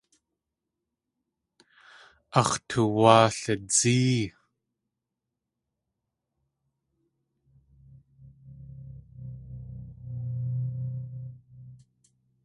Ax̲ tuwáa lidzée.